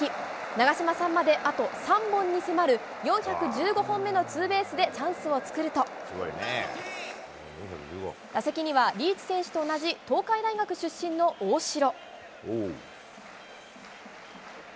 長嶋さんまであと３本に迫る４１５本目のツーベースでチャンスを作ると、打席にはリーチ選手と同じ東海大学出身の大城。